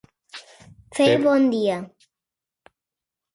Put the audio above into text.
Fer bon dia.